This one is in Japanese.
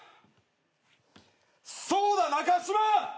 そうだ中嶋！